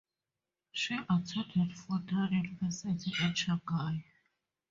She attended Fudan University in Shanghai.